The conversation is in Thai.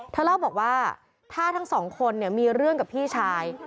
เธอเล่าบอกว่าถ้าทั้งสองคนมีเรื่องกับพี่ชาย